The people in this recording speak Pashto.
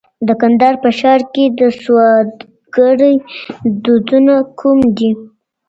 د کندهار په ښار کي د سوداګرۍ دودونه کوم دي؟